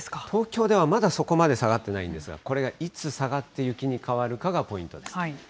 東京ではまだそこまで下がっていないんですが、これがいつ下がって、雪に変わるかがポイントです。